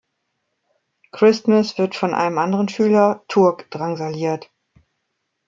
Christmas wird von einem anderen Schüler, Turk, drangsaliert.